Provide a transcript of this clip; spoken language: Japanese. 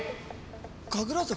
神楽坂？